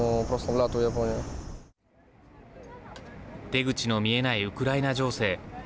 出口の見えないウクライナ情勢。